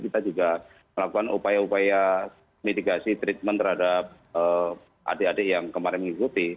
kita juga melakukan upaya upaya mitigasi treatment terhadap adik adik yang kemarin mengikuti